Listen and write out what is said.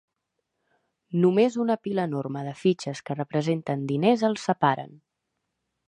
Només una pila enorme de fitxes que representen diners els separen.